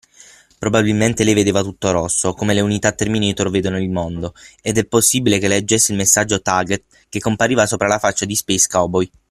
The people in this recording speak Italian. Probabilmente lei vedeva tutto rosso (come le unità terminator vedono il mondo), ed è possibile che leggesse il messaggio “target” che compariva sopra la faccia di Space Cowboy.